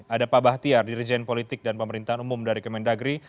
ada pak bahtiar dirjen politik dan pemerintahan umum dari kemendagri